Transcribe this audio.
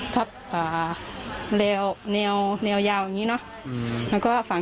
ตรับขวานไม้หายทรัพย์เป็นไหน